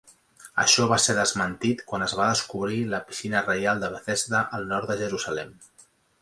Això va ser desmentit quan es va descobrir la piscina reial de Bethesda al nord de Jerusalem.